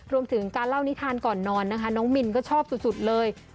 รวมถึงการเล่านิทานก่อนนอนนะคะน้องมินก็ชอบสุดเลย